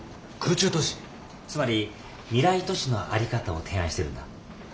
つまり未来都市の在り方を提案してるんだ。